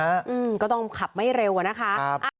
อืมก็ต้องขับไม่เร็วอะนะคะ